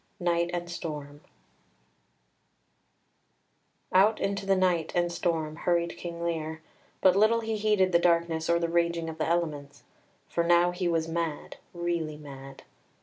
Night and Storm Out into the night and storm hurried King Lear, but little he heeded the darkness or the raging of the elements, for now he was mad really mad.